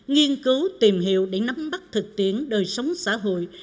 nghiên cứu tìm hiểu để nắm bắt thực tiễn đời sống xã hội